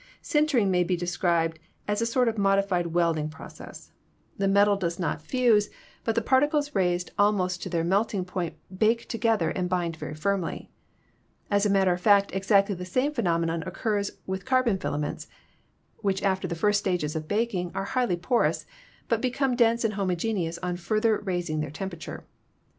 Sintering may be described as a sort of modified welding process ; the metal 244 ELECTRICITY does not fuse, but the particles raised almost to their melt ing point bake together and bind very firmly ; as a matter of fact exactly the same phenomenon occurs with carbon filaments, which after the first stages of baking are highly porous, but become dense and homogeneous on further raising their temperature.